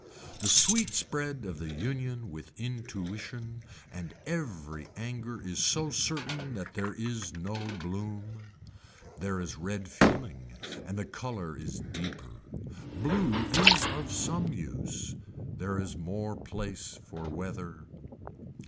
The sweet spread of the union with intuition and every anger is so certain that there is no bloom. There is red feeling and the color is deeper. Blue is of some use. There is more place for weather.